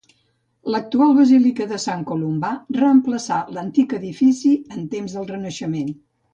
L'actual basílica de Sant Columbà reemplaçà l'antic edifici en temps del Renaixement.